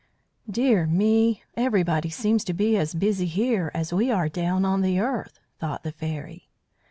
"Dear me! Everybody seems to be as busy here as we are down on the earth," thought the Fairy.